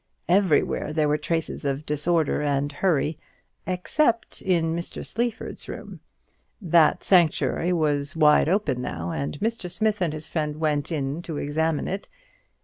Everywhere there were traces of disorder and hurry, except in Mr. Sleaford's room. That sanctuary was wide open now, and Mr. Smith and his friend went into it and examined it.